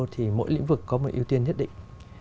thì mỗi lĩnh vực có một ưu tiên nhất định